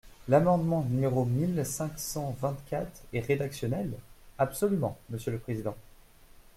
L’amendement numéro mille cinq cent vingt-quatre est rédactionnel ? Absolument, monsieur le président.